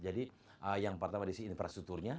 jadi yang pertama di infrastrukturnya